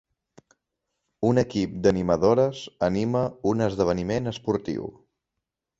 un equip d'animadores anima un esdeveniment esportiu.